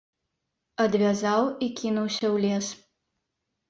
Адвязаў і кінуўся ў лес.